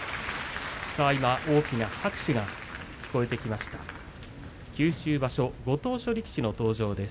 大きな拍手が聞こえてきました九州場所ご当所力士の登場です。